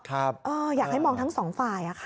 ครับเอออยากให้มองทั้ง๒ฝ่ายค่ะ